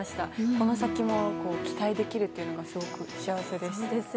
この先も期待できるというのがすごく幸せです。